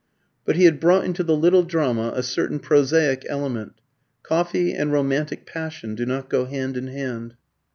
But he had brought into the little drama a certain prosaic element. Coffee and romantic passion do not go hand in hand.